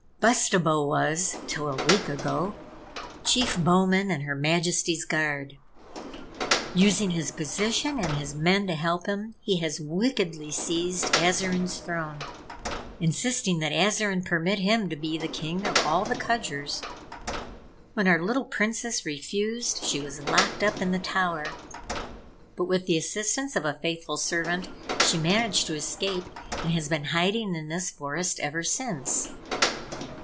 "Bustabo was, till a week ago, Chief Bowman in Her Majesty's Guard. Using his position and his men to help him, he has wickedly seized Azarine's throne, insisting that Azarine permit him to be the King of all the Kudgers. When our little Princess refused, she was locked up in the tower. But, with the assistance of a faithful servant, she managed to escape, and has been hiding in this forest ever since.